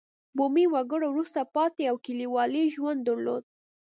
بومي وګړو وروسته پاتې او کلیوالي ژوند درلود.